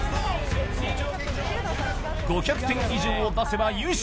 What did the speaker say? ５００点以上を出せば優勝。